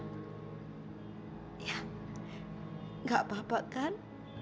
tidak apa apa kan